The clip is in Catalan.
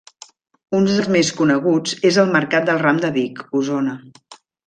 Uns dels més coneguts és el Mercat del Ram de Vic, Osona.